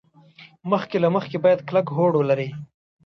مخکې له مخکې باید کلک هوډ ولري.